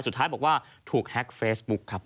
สุดท้ายบอกว่าถูกแฮ็กเฟซบุ๊คครับ